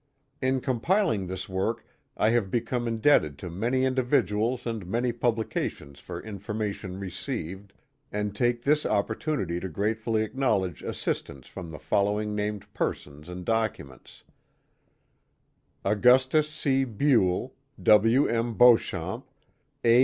In compiling this work I have become indebted to many individuals and many publications for information received, and take this opportunity to gratefully acknowledge assistance from the following named persons and documents: Augustus C. Buell, VV. M. Beauchamp, A.